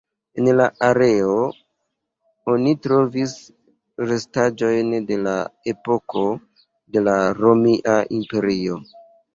En la areo oni trovis restaĵojn de la epoko de la Romia Imperio.